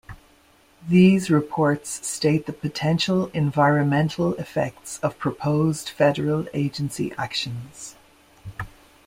These reports state the potential environmental effects of proposed federal agency actions.